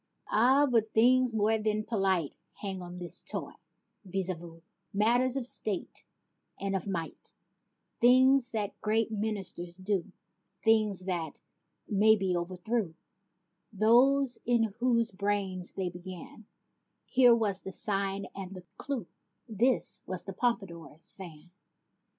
Ah, but things more than polite Hung on this toy, voyez vents/ Matters of state and of might, Things that great ministers do; Things that, may be, overthrew Those in whose brains they began; Here was the sign and the cue, This was the Pompadour's fan